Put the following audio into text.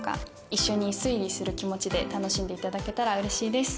一緒に推理する気持ちで楽しんでいただけたら嬉しいです。